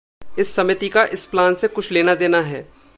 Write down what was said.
इस समिति का इस प्लान से कुछ लेना-देना है।